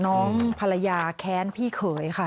น้องภรรยาแค้นพี่เขยค่ะ